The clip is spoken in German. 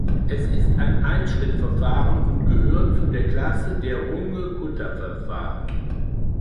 Es ist ein Einschrittverfahren und gehört zu der Klasse der Runge-Kutta-Verfahren.